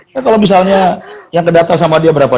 kan kalau misalnya yang kedata sama dia berapa